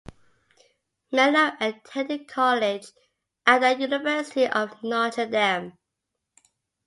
Mello attended college at the University of Notre Dame.